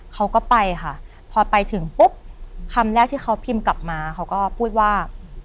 เขาก็ไปค่ะพอไปถึงปุ๊บคำแรกที่เขาพิมพ์กลับมาเขาก็พูดว่า